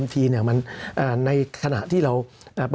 สำหรับกำลังการผลิตหน้ากากอนามัย